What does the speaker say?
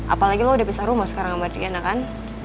apalagi lo udah pisah rumah sekarang sama adriana kan